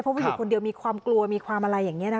เพราะว่าอยู่คนเดียวมีความกลัวมีความอะไรอย่างนี้นะคะ